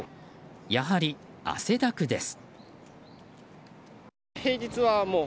やはり汗だくです。